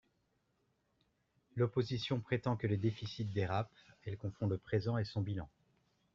L’opposition prétend que les déficits dérapent, elle confond le présent et son bilan.